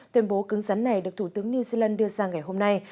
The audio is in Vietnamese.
tuyên bố cứng rắn này được thủ tướng new zealand đưa ra ngày hôm nay